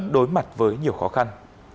đối mặt với nhiều khó khăn